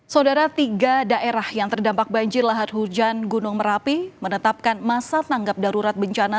saudara tiga daerah yang terdampak banjir lahar hujan gunung merapi menetapkan masa tanggap darurat bencana